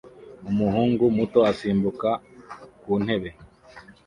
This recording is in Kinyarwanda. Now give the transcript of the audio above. Umuhungu muto asimbuka ku ntebe